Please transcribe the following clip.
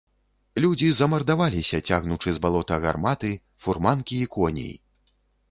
Людзі замардаваліся, цягнучы з балота гарматы, фурманкі і коней.